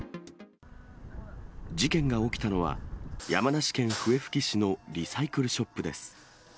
事件が起きたのは、山梨県笛吹市のリサイクルショップです。